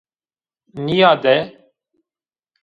Nîyade!